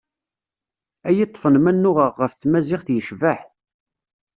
Ad iyi-ṭfen ma nnuɣeɣ ɣef tmaziɣt yecbeḥ.